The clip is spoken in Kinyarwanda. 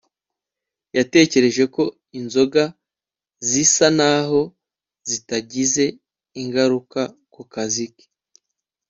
yatekereje ko inzoga zisa naho zitagize ingaruka ku kazi ke